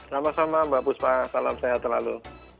sama sama mbak puspa salam sehat selalu